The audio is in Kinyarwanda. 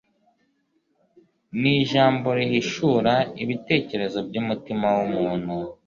n'ijambo rihishura ibitekerezo by'umutima w'umuntu